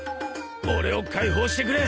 俺を解放してくれ。